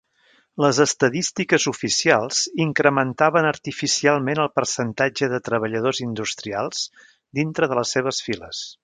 Les estadístiques oficials incrementaven artificialment el percentatge de treballadors industrials dintre de les seves files.